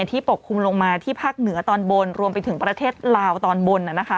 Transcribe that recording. ปกคลุมลงมาที่ภาคเหนือตอนบนรวมไปถึงประเทศลาวตอนบน